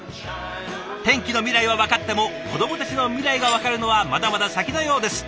天気の未来は分かっても子どもたちの未来が分かるのはまだまだ先のようです。